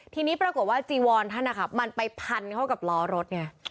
ทีนี้ปรากฏว่าจีวอนท่านนะครับมันไปพันเข้ากับล้อรถไง